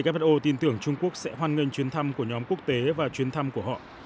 who tin tưởng trung quốc sẽ hoan nghênh chuyến thăm của nhóm quốc tế và chuyến thăm của họ